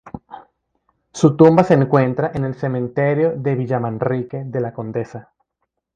Su tumba se encuentra en el cementerio de Villamanrique de la Condesa.